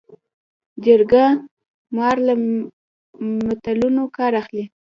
جرګه مار له متلونو کار اخلي